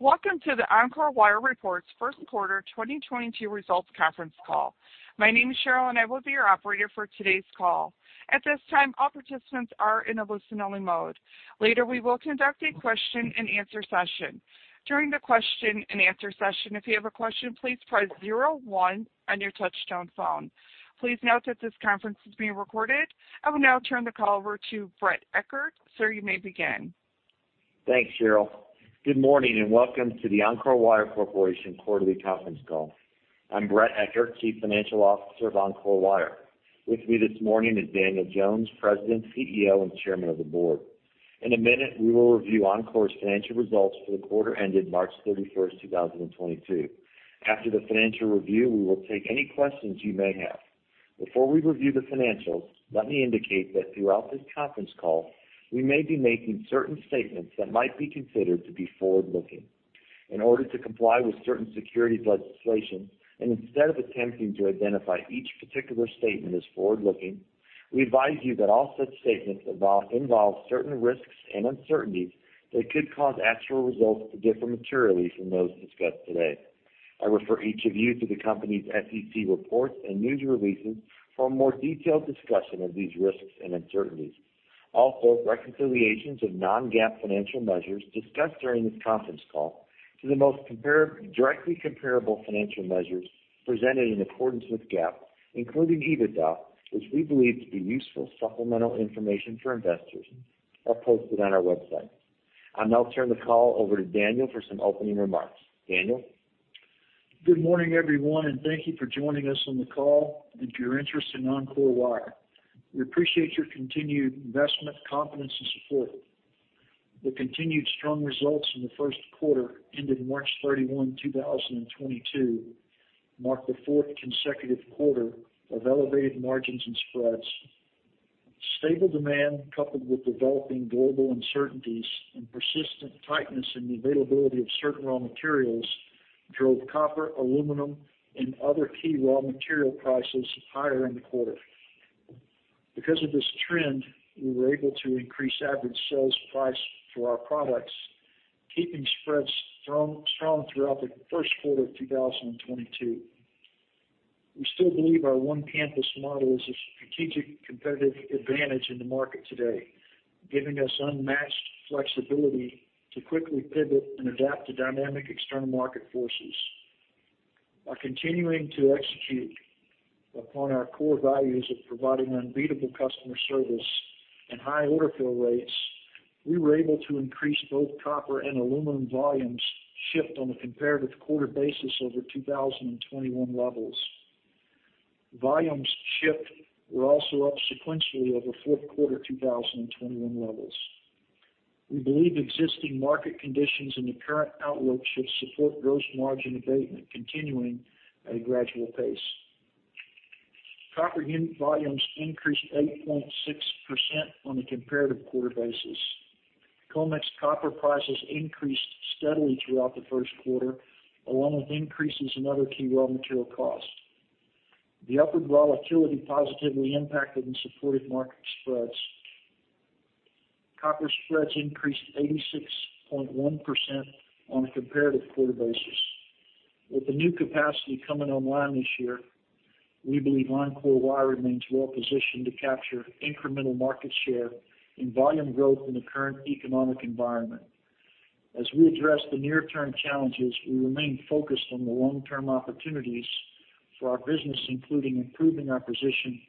Welcome to the Encore Wire reports first quarter 2022 results conference call. My name is Cheryl, and I will be your operator for today's call. At this time, all participants are in a listen-only mode. Later, we will conduct a question-and-answer session. During the question-and-answer session, if you have a question, please press zero one on your touchtone phone. Please note that this conference is being recorded. I will now turn the call over to Bret Eckert. Sir, you may begin. Thanks, Cheryl. Good morning, and welcome to the Encore Wire Corporation quarterly conference call. I'm Bret Eckert, Chief Financial Officer of Encore Wire. With me this morning is Daniel Jones, President, CEO, and Chairman of the Board. In a minute, we will review Encore's financial results for the quarter ended March 31st, 2022. After the financial review, we will take any questions you may have. Before we review the financials, let me indicate that throughout this conference call, we may be making certain statements that might be considered to be forward-looking. In order to comply with certain securities legislation, and instead of attempting to identify each particular statement as forward-looking, we advise you that all such statements involve certain risks and uncertainties that could cause actual results to differ materially from those discussed today. I refer each of you to the company's SEC reports and news releases for a more detailed discussion of these risks and uncertainties. Also, reconciliations of non-GAAP financial measures discussed during this conference call to the most directly comparable financial measures presented in accordance with GAAP, including EBITDA, which we believe to be useful supplemental information for investors, are posted on our website. I'll now turn the call over to Daniel for some opening remarks. Daniel? Good morning, everyone, and thank you for joining us on the call and for your interest in Encore Wire. We appreciate your continued investment, confidence, and support. The continued strong results in the first quarter ended March 31, 2022, marked the fourth consecutive quarter of elevated margins and spreads. Stable demand, coupled with developing global uncertainties and persistent tightness in the availability of certain raw materials, drove copper, aluminum, and other key raw material prices higher in the quarter. Because of this trend, we were able to increase average sales price for our products, keeping spreads strong throughout the first quarter of 2022. We still believe our one-campus model is a strategic competitive advantage in the market today, giving us unmatched flexibility to quickly pivot and adapt to dynamic external market forces. By continuing to execute upon our core values of providing unbeatable customer service and high order fill rates, we were able to increase both copper and aluminum volumes shipped on a comparative quarter basis over 2021 levels. Volumes shipped were also up sequentially over fourth quarter 2021 levels. We believe existing market conditions and the current outlook should support gross margin abatement continuing at a gradual pace. Copper unit volumes increased 8.6% on a comparative quarter basis. COMEX copper prices increased steadily throughout the first quarter, along with increases in other key raw material costs. The upward volatility positively impacted and supported market spreads. Copper spreads increased 86.1% on a comparative quarter basis. With the new capacity coming online this year, we believe Encore Wire remains well positioned to capture incremental market share in volume growth in the current economic environment. As we address the near-term challenges, we remain focused on the long-term opportunities for our business, including improving our position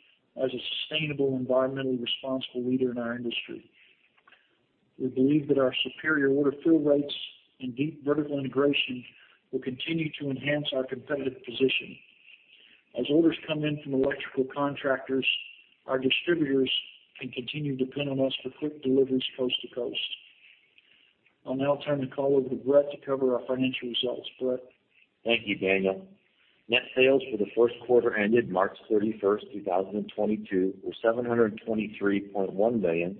as a sustainable, environmentally responsible leader in our industry. We believe that our superior order fill rates and deep vertical integration will continue to enhance our competitive position. As orders come in from electrical contractors, our distributors can continue to depend on us for quick deliveries coast to coast. I'll now turn the call over to Bret to cover our financial results. Bret? Thank you, Daniel. Net sales for the first quarter ended March 31st, 2022, were $723.1 million,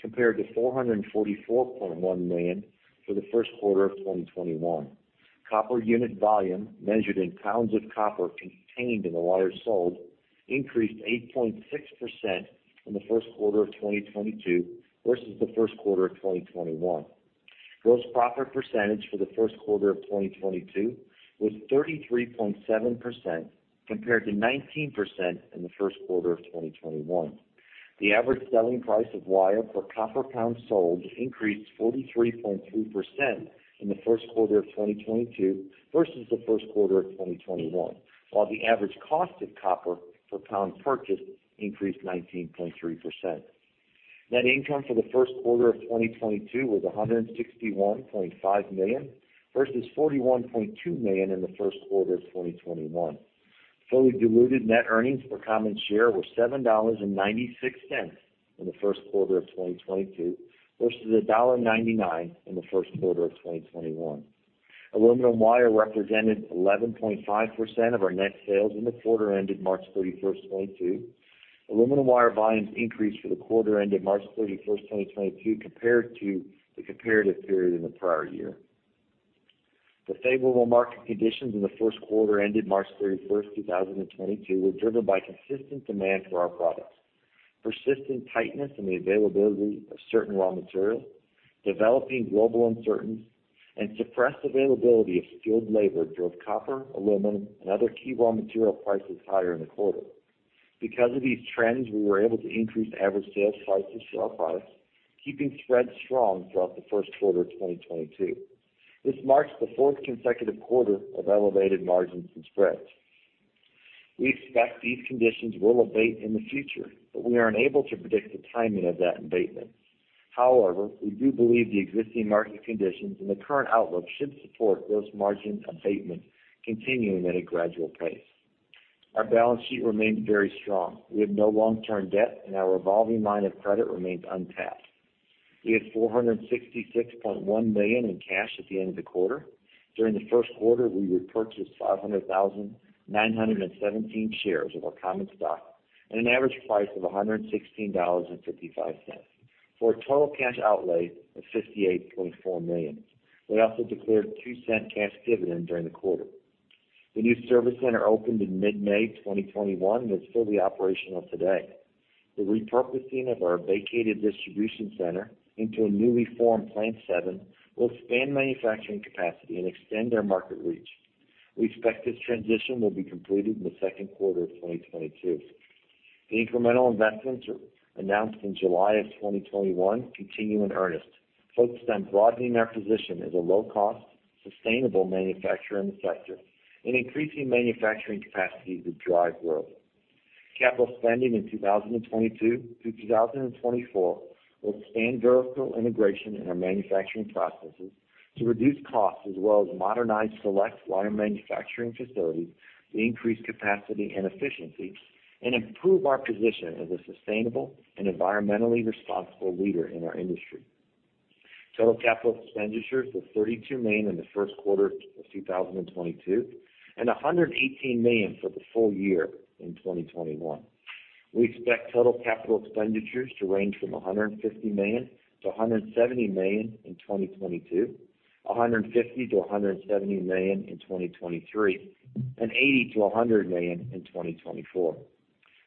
compared to $444.1 million for the first quarter of 2021. Copper unit volume, measured in pounds of copper contained in the wire sold, increased 8.6% in the first quarter of 2022 versus the first quarter of 2021. Gross profit percentage for the first quarter of 2022 was 33.7%, compared to 19% in the first quarter of 2021. The average selling price of wire per copper pound sold increased 43.2% in the first quarter of 2022 versus the first quarter of 2021, while the average cost of copper per pound purchased increased 19.3%. Net income for the first quarter of 2022 was $161.5 million versus $41.2 million in the first quarter of 2021. Fully diluted net earnings per common share were $7.96 in the first quarter of 2022 versus $1.99 in the first quarter of 2021. Aluminum wire represented 11.5% of our net sales in the quarter ended March 31st, 2022. Aluminum wire volumes increased for the quarter ended March 31st, 2022, compared to the comparative period in the prior year. Favorable market conditions in the first quarter ended March 31st, 2022 were driven by consistent demand for our products. Persistent tightness in the availability of certain raw material, developing global uncertainties, and suppressed availability of skilled labor drove copper, aluminum and other key raw material prices higher in the quarter. Because of these trends, we were able to increase average selling price, keeping spreads strong throughout the first quarter of 2022. This marks the fourth consecutive quarter of elevated margins and spreads. We expect these conditions will abate in the future, but we are unable to predict the timing of that abatement. However, we do believe the existing market conditions and the current outlook should support those margin abatements continuing at a gradual pace. Our balance sheet remains very strong. We have no long-term debt, and our revolving line of credit remains untapped. We had $466.1 million in cash at the end of the quarter. During the first quarter, we repurchased 500,917 shares of our common stock at an average price of $116.55 for a total cash outlay of $58.4 million. We also declared $0.02 cash dividend during the quarter. The new service center opened in mid-May 2021 and is fully operational today. The repurposing of our vacated distribution center into a newly formed plant seven will expand manufacturing capacity and extend our market reach. We expect this transition will be completed in the second quarter of 2022. The incremental investments announced in July 2021 continue in earnest, focused on broadening our position as a low cost, sustainable manufacturer in the sector and increasing manufacturing capacity to drive growth. Capital spending in 2022 through 2024 will expand vertical integration in our manufacturing processes to reduce costs as well as modernize select wire manufacturing facilities to increase capacity and efficiency and improve our position as a sustainable and environmentally responsible leader in our industry. Total capital expenditures was $32 million in the first quarter of 2022, and $118 million for the full year in 2021. We expect total capital expenditures to range from $150 million-$170 million in 2022, $150 million-$170 million in 2023, and $80 million-$100 million in 2024.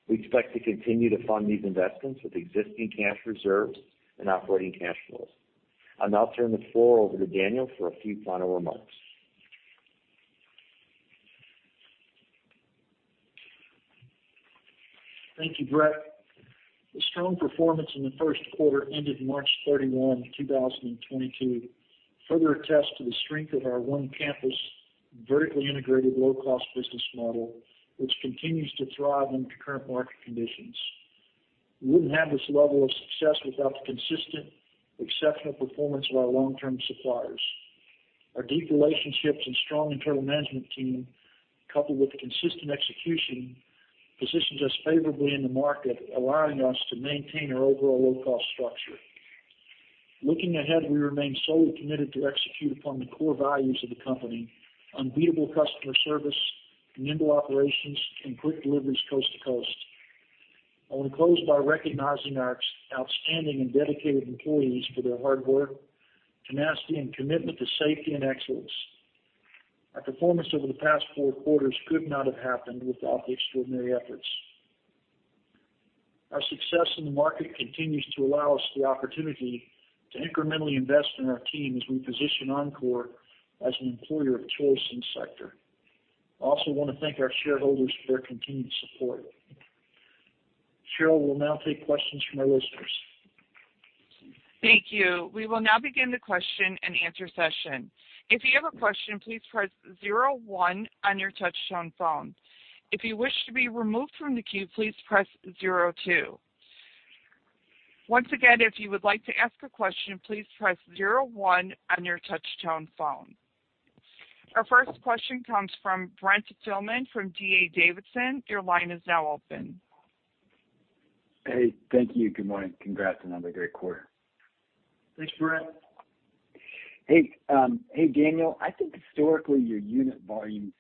We expect to continue to fund these investments with existing cash reserves and operating cash flows. I'll now turn the floor over to Daniel for a few final remarks. Thank you, Bret. The strong performance in the first quarter ended March 31, 2022 further attests to the strength of our one campus, vertically integrated low-cost business model, which continues to thrive under current market conditions. We wouldn't have this level of success without the consistent exceptional performance of our long-term suppliers. Our deep relationships and strong internal management team, coupled with consistent execution, positions us favorably in the market, allowing us to maintain our overall low-cost structure. Looking ahead, we remain solidly committed to execute upon the core values of the company. Unbeatable customer service, nimble operations, and quick deliveries coast to coast. I want to close by recognizing our outstanding and dedicated employees for their hard work, tenacity, and commitment to safety and excellence. Our performance over the past four quarters could not have happened without the extraordinary efforts. Our success in the market continues to allow us the opportunity to incrementally invest in our team as we position Encore as an employer of choice in the sector. I also wanna thank our shareholders for their continued support. Cheryl will now take questions from our listeners. Thank you. We will now begin the question and answer session. If you have a question, please press zero one on your touch tone phone. If you wish to be removed from the queue, please press zero two. Once again, if you would like to ask a question, please press zero one on your touch tone phone. Our first question comes from Brent Thielman from D.A. Davidson. Your line is now open. Hey, thank you. Good morning. Congrats on another great quarter. Thanks, Brent. Hey, Daniel, I think historically your unit volumes,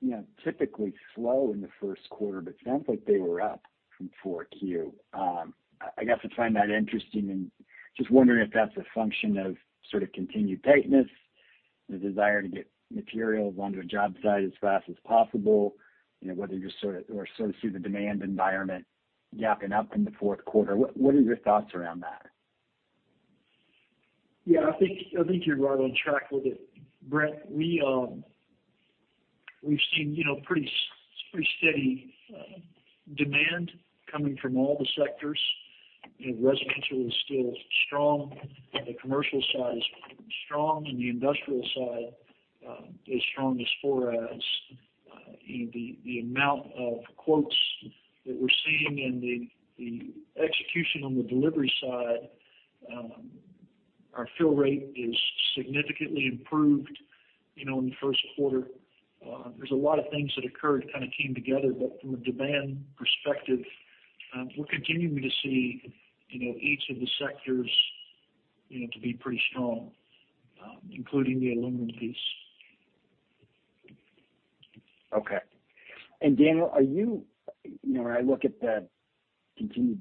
you know, typically slow in the first quarter, but it sounds like they were up from Q4. I guess I find that interesting, and just wondering if that's a function of sort of continued tightness, the desire to get materials onto a job site as fast as possible, you know, whether you sort of see the demand environment ramping up in the fourth quarter. What are your thoughts around that? Yeah, I think you're right on track with it, Brent. We've seen, you know, pretty steady demand coming from all the sectors. You know, residential is still strong. The commercial side is strong, and the industrial side is strong as far as the amount of quotes that we're seeing and the execution on the delivery side. Our fill rate is significantly improved, you know, in the first quarter. There's a lot of things that occurred, kind of came together. From a demand perspective, we're continuing to see, you know, each of the sectors, you know, to be pretty strong, including the aluminum piece. Okay. Daniel, when I look at the continued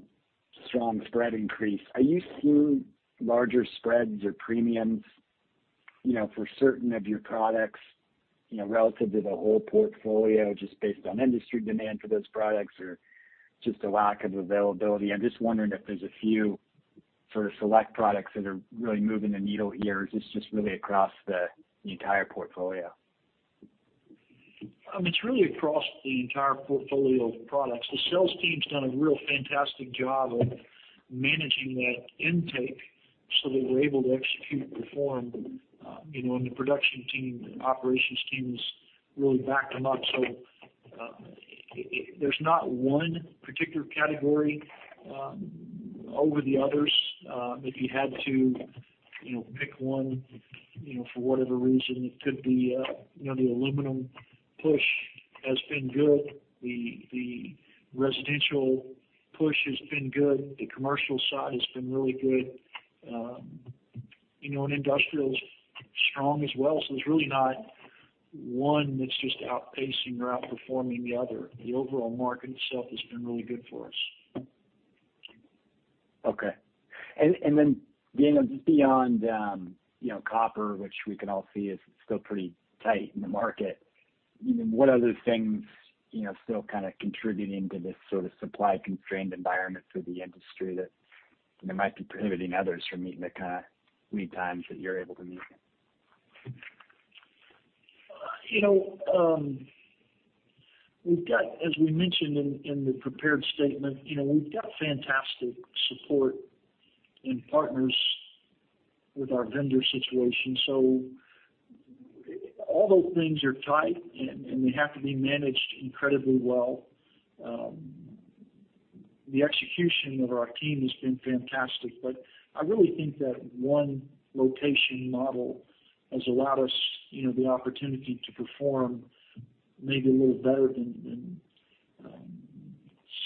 strong spread increase, are you seeing larger spreads or premiums, you know, for certain of your products, you know, relative to the whole portfolio, just based on industry demand for those products or just a lack of availability? I'm just wondering if there's a few sort of select products that are really moving the needle here, or is this just really across the entire portfolio? It's really across the entire portfolio of products. The sales team's done a real fantastic job of managing that intake so that we're able to execute and perform, you know, and the production team, the operations team is really backed them up. There's not one particular category over the others. If you had to, you know, pick one, you know, for whatever reason, it could be, you know, the aluminum push has been good. The residential push has been good. The commercial side has been really good. You know, and industrial is strong as well. There's really not one that's just outpacing or outperforming the other. The overall market itself has been really good for us. Daniel, just beyond, you know, copper, which we can all see is still pretty tight in the market, what other things, you know, still kind of contributing to this sort of supply-constrained environment for the industry that there might be preventing others from meeting the kind of lead times that you're able to meet? You know, we've got, as we mentioned in the prepared statement, you know, we've got fantastic support and partners with our vendor situation. Although things are tight and they have to be managed incredibly well, the execution of our team has been fantastic. I really think that one location model has allowed us, you know, the opportunity to perform maybe a little better than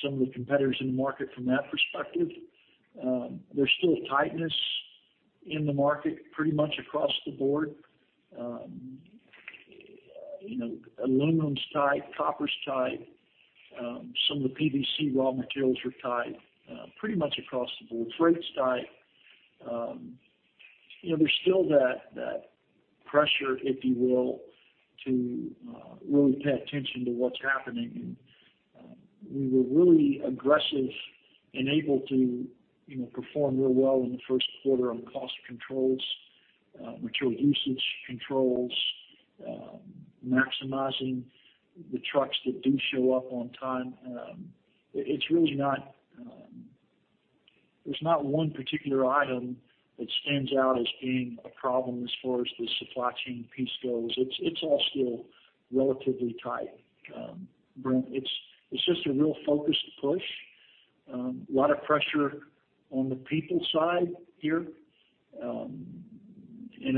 some of the competitors in the market from that perspective. There's still tightness in the market pretty much across the board. You know, aluminum's tight, copper's tight. Some of the PVC raw materials are tight, pretty much across the board. Freight's tight. You know, there's still that pressure, if you will, to really pay attention to what's happening. We were really aggressive and able to, you know, perform real well in the first quarter on cost controls, material usage controls, maximizing the trucks that do show up on time. It's really not. There's not one particular item that stands out as being a problem as far as the supply chain piece goes. It's all still relatively tight. Brent, it's just a real focused push. A lot of pressure on the people side here, and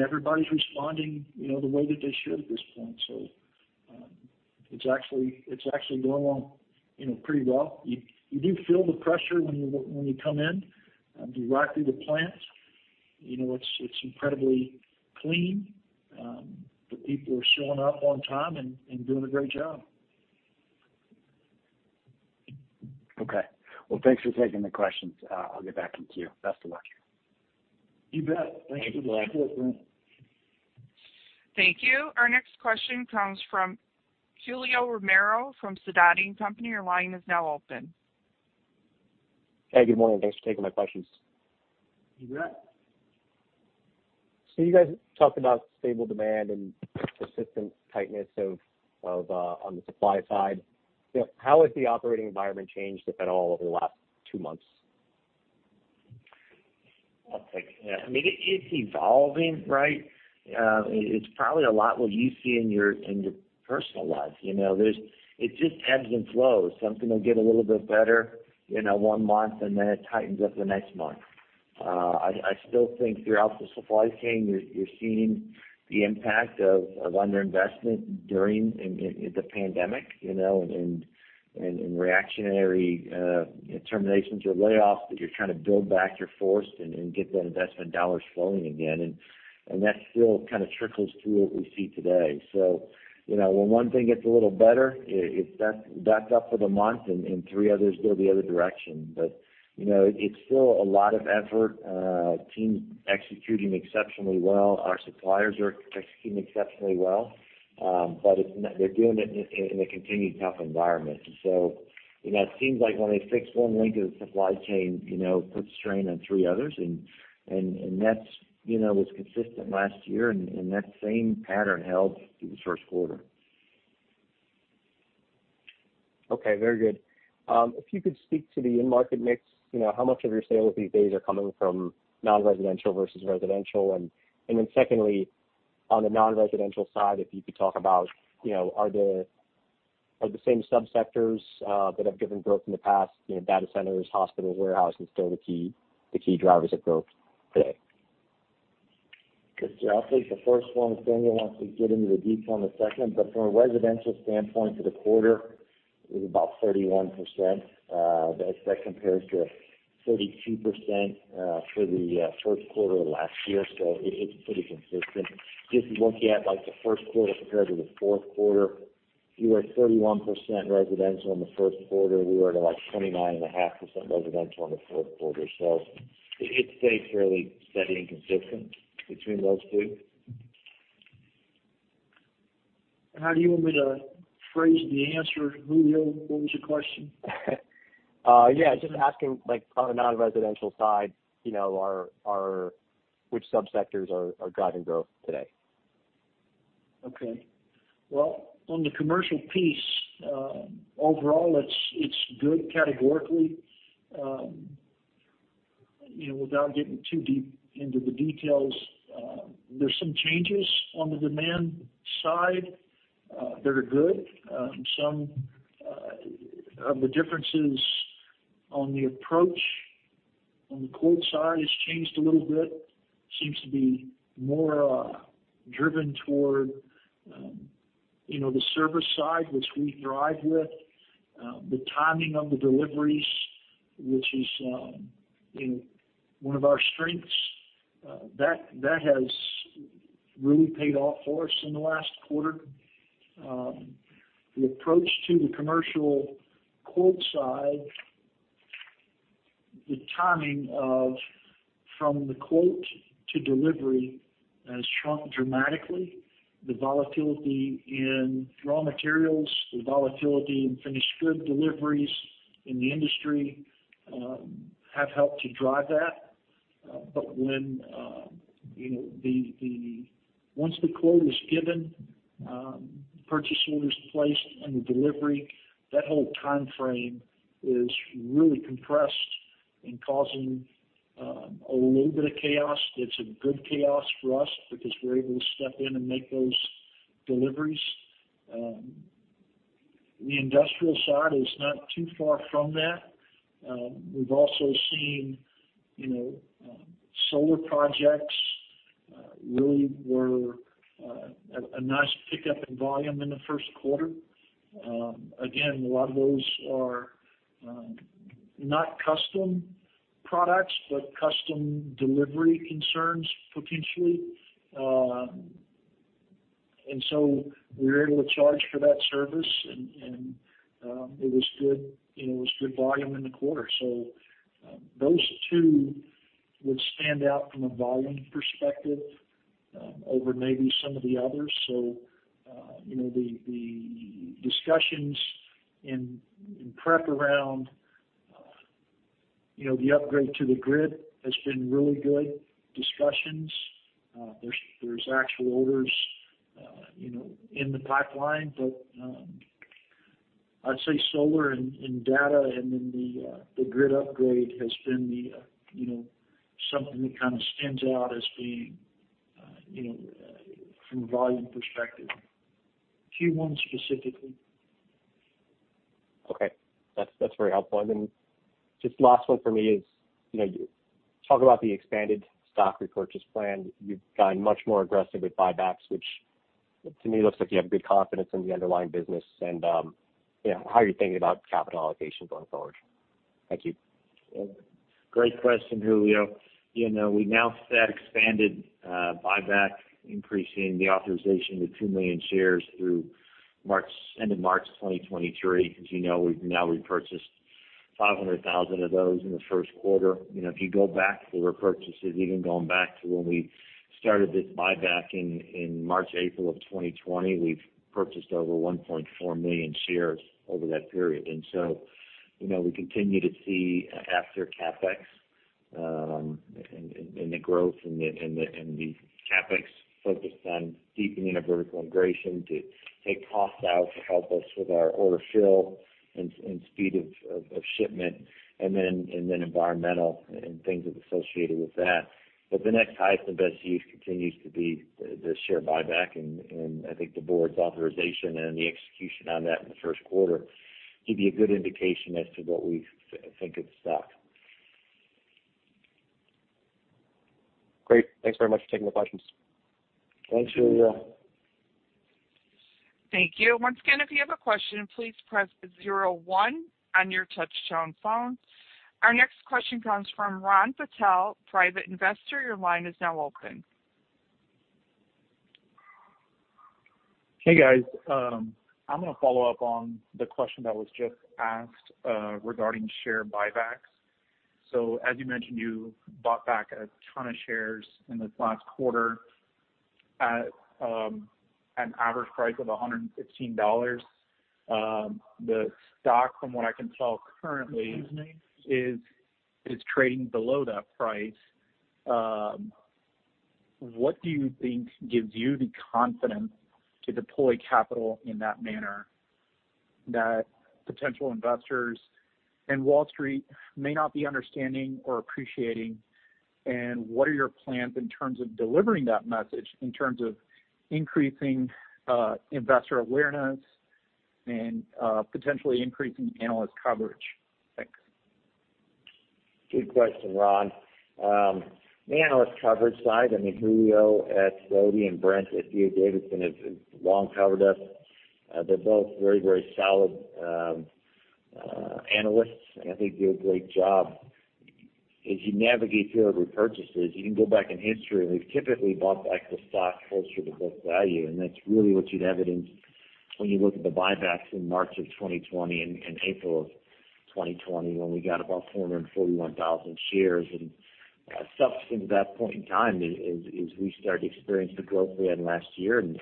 everybody's responding, you know, the way that they should at this point. It's actually going, you know, pretty well. You do feel the pressure when you come in. If you walk through the plant, you know, it's incredibly clean. The people are showing up on time and doing a great job. Okay. Well, thanks for taking the questions. I'll get back into queue. Best of luck. You bet. Thanks for the support, Brent. Thank you. Our next question comes from Julio Romero from Sidoti & Company. Your line is now open. Hey, good morning. Thanks for taking my questions. You bet. You guys talked about stable demand and persistent tightness on the supply side. How has the operating environment changed, if at all, over the last two months? I'll take that. I mean, it's evolving, right? It's probably a lot like what you see in your personal lives. You know, it just ebbs and flows. Something will get a little bit better, you know, one month, and then it tightens up the next month. I still think throughout the supply chain, you're seeing the impact of underinvestment during the pandemic, you know, and reactionary terminations or layoffs, but you're trying to build back your workforce and get that investment dollars flowing again. That still kind of trickles through what we see today. You know, when one thing gets a little better, it backs up for the month, and three others go the other direction. You know, it's still a lot of effort. Team's executing exceptionally well. Our suppliers are executing exceptionally well. They're doing it in a continued tough environment. You know, it seems like when they fix one link of the supply chain, you know, it puts strain on three others. That's, you know, was consistent last year, and that same pattern held through the first quarter. Okay, very good. If you could speak to the end market mix, you know, how much of your sales these days are coming from non-residential versus residential? Then secondly, on the non-residential side, if you could talk about, you know, are the same subsectors that have driven growth in the past, you know, data centers, hospitals, warehouse, are still the key drivers of growth today? I'll take the first one. Daniel wants to get into the detail on the second one. From a residential standpoint for the quarter- It was about 31%. That compares to 32% for the first quarter of last year. It's pretty consistent. Just looking at like the first quarter compared to the fourth quarter, you were at 31% residential in the first quarter, we were at, like, 29.5% residential in the fourth quarter. It stayed fairly steady and consistent between those two. How do you want me to phrase the answer, Julio? What was your question? Yeah, just asking, like on a non-residential side, you know, which subsectors are driving growth today? Okay. Well, on the commercial piece, overall, it's good categorically. You know, without getting too deep into the details, there's some changes on the demand side that are good. Some of the differences on the approach on the quote side has changed a little bit. Seems to be more driven toward, you know, the service side, which we thrive with. The timing of the deliveries, which is, you know, one of our strengths, that has really paid off for us in the last quarter. The approach to the commercial quote side, the timing from the quote to delivery has shrunk dramatically. The volatility in raw materials, the volatility in finished goods deliveries in the industry have helped to drive that. Once the quote is given, purchase order is placed and the delivery, that whole timeframe is really compressed and causing a little bit of chaos. It's a good chaos for us because we're able to step in and make those deliveries. The industrial side is not too far from that. We've also seen, you know, solar projects really were a nice pickup in volume in the first quarter. Again, a lot of those are not custom products, but custom delivery concerns, potentially. We were able to charge for that service and it was good, you know, it was good volume in the quarter. Those two would stand out from a volume perspective over maybe some of the others. You know, the discussions in prep around you know the upgrade to the grid has been really good discussions. There's actual orders you know in the pipeline. I'd say solar and data and then the grid upgrade has been the you know something that kind of stands out as being you know from a volume perspective. Q1 specifically. Okay. That's very helpful. Then just last one for me is, you know, you talk about the expanded stock repurchase plan. You've gotten much more aggressive with buybacks, which to me looks like you have good confidence in the underlying business. You know, how are you thinking about capital allocation going forward? Thank you. Great question, Julio. You know, we've just expanded buyback, increasing the authorization to 2 million shares through March, end of March 2023. As you know, we've now repurchased 500,000 of those in the first quarter. You know, if you go back to the repurchases, even going back to when we started this buyback in March, April of 2020, we've purchased over 1.4 million shares over that period. You know, we continue to see, after CapEx, in the growth and the CapEx focused on deepening the vertical integration to take costs out to help us with our order fill and speed of shipment, and then environmental and things that are associated with that. But the next highest and best use continues to be the share buyback. I think the board's authorization and the execution on that in the first quarter give you a good indication as to what we think of the stock. Great. Thanks very much for taking the questions. Thanks, Julio. Thank you. Once again, if you have a question, please press zero one on your touch-tone phone. Our next question comes from Ron Patel, Private investor. Your line is now open. Hey, guys. I'm gonna follow up on the question that was just asked, regarding share buybacks. As you mentioned, you bought back a ton of shares in this last quarter at an average price of $115. The stock, from what I can tell currently. Excuse me? is trading below that price. What do you think gives you the confidence to deploy capital in that manner that potential investors and Wall Street may not be understanding or appreciating? What are your plans in terms of delivering that message in terms of increasing investor awareness and potentially increasing analyst coverage? Thanks. Good question, Ron. The analyst coverage side, I mean, Julio at Sidoti and Brent at D.A. Davidson have long covered us. They're both very solid analysts, and I think do a great job. As you navigate through our repurchases, you can go back in history, and we've typically bought back the stock closer to book value, and that's really what you'd evidence when you look at the buybacks in March of 2020 and April of 2020 when we got about 441,000 shares. Subsequent to that point in time is we started to experience the growth we had last year and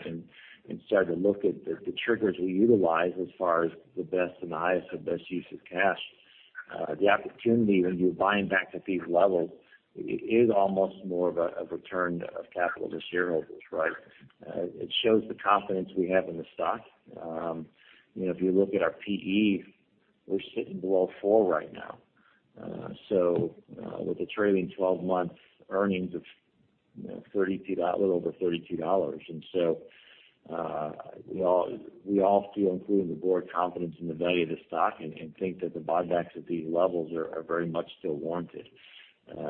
started to look at the triggers we utilize as far as the best and the highest and best use of cash. The opportunity when you're buying back to these levels is almost more of a return of capital to shareholders, right? It shows the confidence we have in the stock. You know, if you look at our PE, we're sitting below four right now. With the trailing twelve-month earnings of little over $32. We all feel, including the board, confidence in the value of the stock and think that the buybacks at these levels are very much still warranted.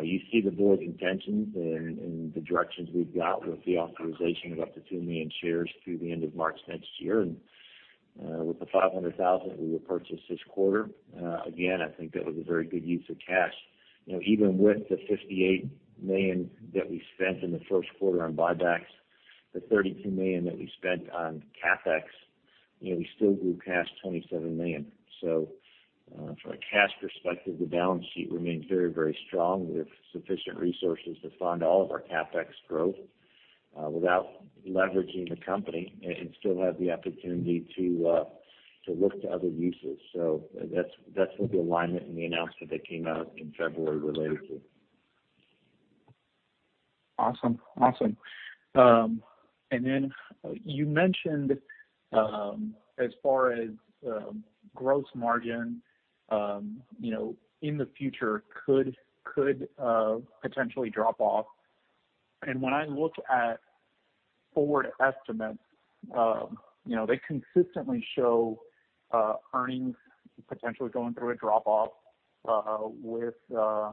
You see the board's intentions in the directions we've got with the authorization of up to 2 million shares through the end of March next year. With the 500,000 we repurchased this quarter, again, I think that was a very good use of cash. You know, even with the $58 million that we spent in the first quarter on buybacks, the $32 million that we spent on CapEx, you know, we still grew past $27 million. From a cash perspective, the balance sheet remains very, very strong with sufficient resources to fund all of our CapEx growth, without leveraging the company and still have the opportunity to look to other uses. That's what the alignment in the announcement that came out in February related to. Awesome. When I look at forward estimates, you know, they consistently show earnings potentially going through a drop off with... I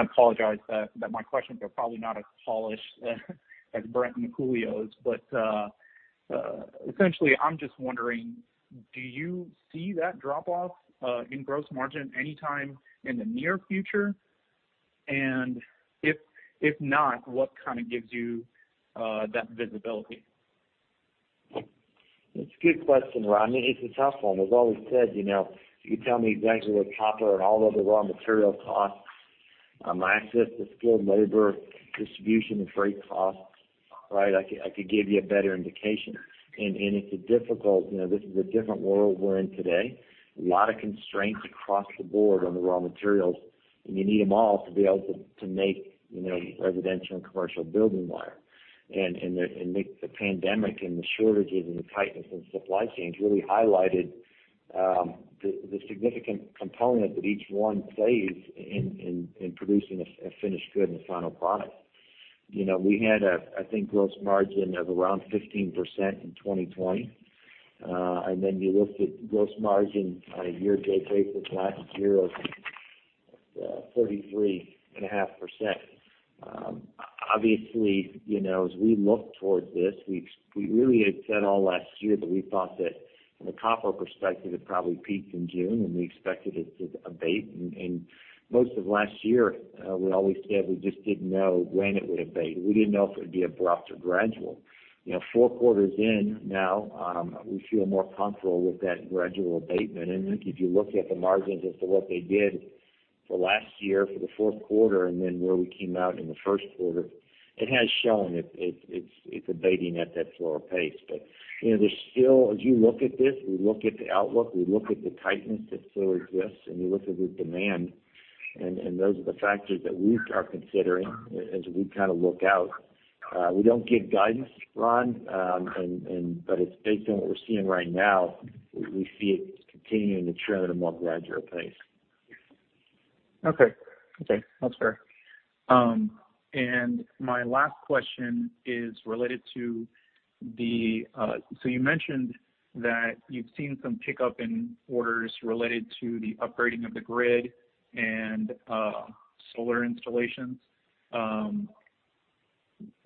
apologize that my questions are probably not as polished as Brent and Julio's. Essentially, I'm just wondering, do you see that drop off in gross margin anytime in the near future? If not, what kind of gives you that visibility? It's a good question, Ron. I mean, it's a tough one. I've always said, you know, if you tell me exactly where copper and all other raw material costs, access to skilled labor, distribution and freight costs, right? I could give you a better indication. It's a difficult one. You know, this is a different world we're in today. A lot of constraints across the board on the raw materials, and you need them all to be able to make, you know, residential and commercial building wire. The pandemic and the shortages and the tightness in supply chains really highlighted the significant component that each one plays in producing a finished good and a final product. You know, we had, I think, a gross margin of around 15% in 2020. You look at gross margin on a year-to-date basis last year of 33.5%. Obviously, you know, as we look towards this, we really had said all last year that we thought that from a copper perspective, it probably peaked in June, and we expected it to abate. Most of last year, we always said we just didn't know when it would abate. We didn't know if it would be abrupt or gradual. You know, four quarters in now, we feel more comfortable with that gradual abatement. If you look at the margins as to what they did for last year, for the fourth quarter, and then where we came out in the first quarter, it has shown it's abating at that slower pace. You know, there's still. As you look at this, we look at the outlook, we look at the tightness that still exists, and you look at the demand, and those are the factors that we are considering as we kind of look out. We don't give guidance, Ron. It's based on what we're seeing right now, we see it continuing to trend at a more gradual pace. Okay. Okay, that's fair. My last question is related to the. You mentioned that you've seen some pickup in orders related to the upgrading of the grid and solar installations.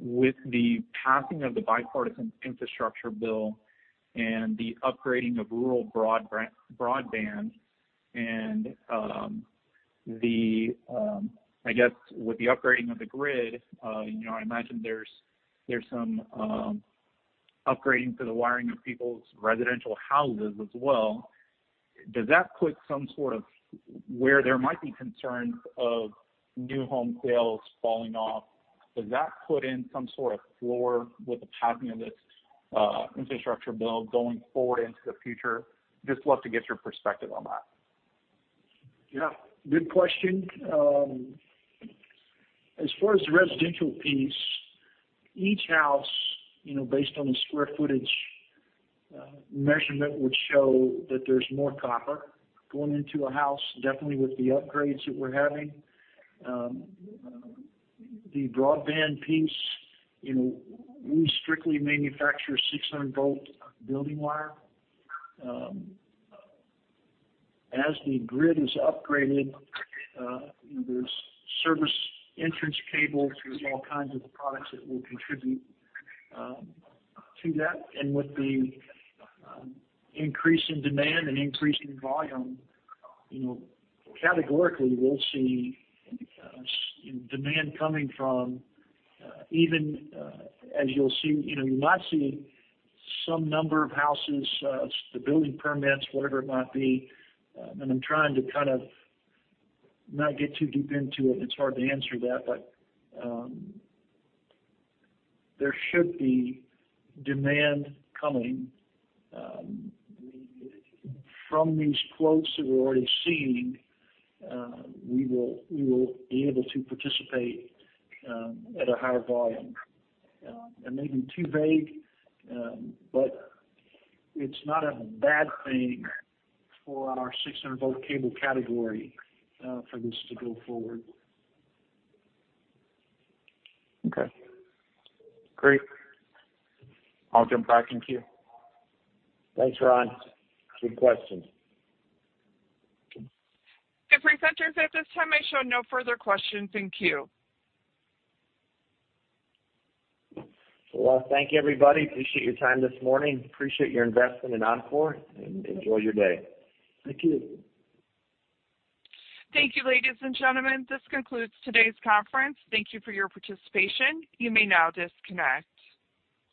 With the passing of the bipartisan infrastructure bill and the upgrading of rural broadband and, I guess with the upgrading of the grid, you know, I imagine there's some upgrading to the wiring of people's residential houses as well. Where there might be concerns of new home sales falling off, does that put in some sort of floor with the passing of this infrastructure bill going forward into the future? Just love to get your perspective on that. Yeah, good question. As far as the residential piece, each house, you know, based on the square footage measurement would show that there's more copper going into a house, definitely with the upgrades that we're having. The broadband piece, you know, we strictly manufacture 600-volt building wire. As the grid is upgraded, there's service entrance cable. There's all kinds of products that will contribute to that. With the increase in demand and increase in volume, you know, categorically, we'll see demand coming from even as you'll see. You know, you might see some number of houses, the building permits, whatever it might be. I'm trying to kind of not get too deep into it, and it's hard to answer that, but there should be demand coming from these quotes that we're already seeing. We will be able to participate at a higher volume. I may be too vague, but it's not a bad thing for our 600-volt cable category for this to go forward. Okay. Great. I'll jump back in queue. Thanks, Ron. Good questions. Okay. The presenters at this time, I show no further questions in queue. Well, thank you everybody. Appreciate your time this morning. Appreciate your investment in Encore, and enjoy your day. Thank you. Thank you, ladies and gentlemen. This concludes today's conference. Thank you for your participation. You may now disconnect.